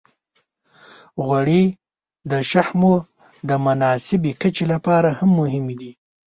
غوړې د شحمو د مناسبې کچې لپاره هم مهمې دي.